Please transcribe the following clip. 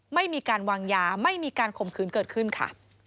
ไม่มีการวางยาไม่มีการข่มขืนเกิดขึ้นค่ะ